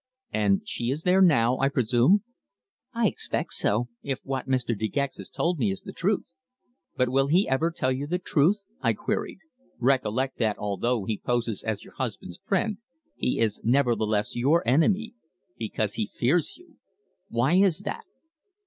"And she is there now, I presume?" "I expect so if what Mr. De Gex has told me is the truth." "But will he ever tell you the truth?" I queried. "Recollect that although he poses as your husband's friend, he is nevertheless your enemy because he fears you! Why is that?"